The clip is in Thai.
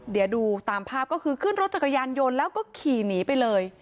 เดี๋ยวดูตามภาพก็คือขึ้นรถจักรยานยนต์แล้วก็ขี่หนีไปเลย